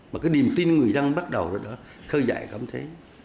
mà cái niềm tin người dân bắt đầu rồi đó khơi dậy cũng thế